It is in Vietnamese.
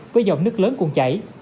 với dòng nước lớn cuồng chảy